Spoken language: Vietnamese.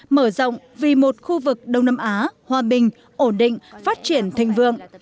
mở rộng vì một khu vực đông nam á hòa bình ổn định phát triển thành vương